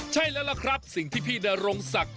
ใช่แล้วล่ะครับสิ่งที่พี่นรงศักดิ